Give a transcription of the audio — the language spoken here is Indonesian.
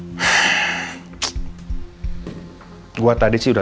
surprise ya kamu semua